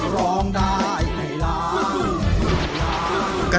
ร้องได้ให้ล้าน